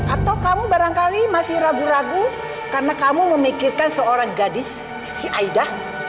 atau kamu barangkali masih ragu ragu karena kamu memikirkan seorang gadis si aida